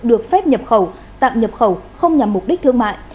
được phép nhập khẩu tạm nhập khẩu không nhằm mục đích thương mại